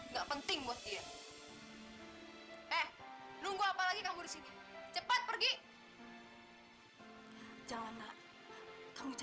sampai jumpa di video selanjutnya